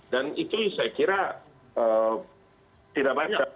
dan itu saya kira tidak banyak